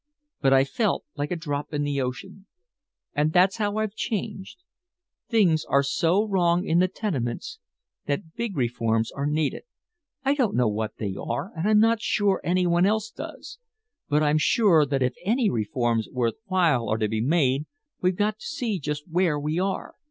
But I felt like a drop in the ocean. And that's how I've changed. Things are so wrong in the tenements that big reforms are needed. I don't know what they are and I'm not sure anyone else does. But I'm sure that if any reforms worth while are to be made, we've got to see just where we are.